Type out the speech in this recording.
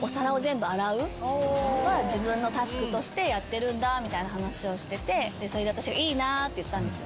自分のタスクとしてやってるんだみたいな話をしててそれで私がいいなぁって言ったんですよ。